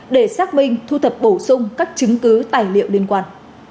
để xác minh thu thập bổ sung các chứng cứ tài liệu liên quan